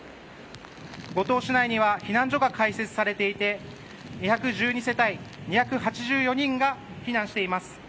五島市内には避難所が開設されていて２１２世帯２８４人が避難しています。